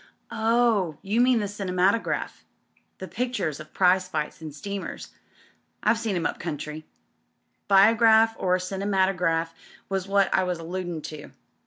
'" "Oh, you mean the cinematograph — the pictures of prize fights and steamers. I've seen 'em up country." "Biograph or cinematograph was what I was alludin' to.